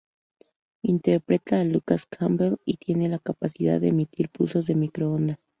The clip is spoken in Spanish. Interpreta a Lucas Campbell y tiene la capacidad de emitir pulsos de microondas.